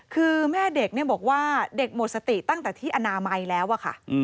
คือแม่เด็กบอกว่าเด็กหมดสติตั้งแต่ที่อนามัยแล้วอะค่ะ